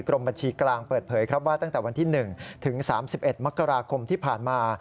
กรมบัญชีกลางเปิดเผยครับว่าตั้งแต่วันที่๑ถึง๓๑มกราคมที่ผ่านมา